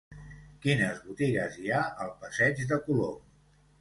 Quines botigues hi ha al passeig de Colom?